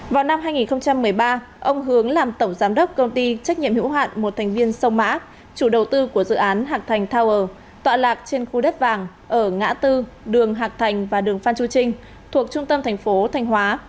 vào năm hai nghìn một mươi ba ông hướng làm tổng giám đốc công ty trách nhiệm hữu hạn một thành viên sông mã chủ đầu tư của dự án hạc thành tower tọa lạc trên khu đất vàng ở ngã tư đường hạc thành và đường phan chu trinh thuộc trung tâm thành phố thanh hóa